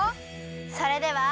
それでは！